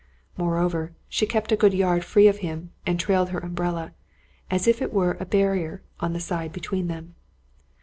Moreover, she kept a good yard free of him, and trailed her umbrella, as if it were a bar rier, on the side between them.